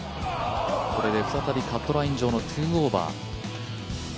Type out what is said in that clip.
これで再びカットライン上の２オーバー。